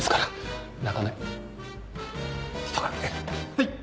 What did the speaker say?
はい！